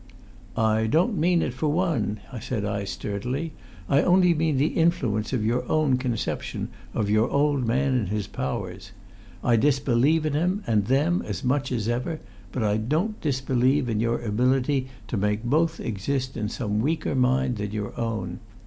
"I don't mean it for one," said I sturdily. "I only mean the influence of your own conception of your old man and his powers. I disbelieve in him and them as much as ever, but I don't disbelieve in your ability to make both exist in some weaker mind than your own.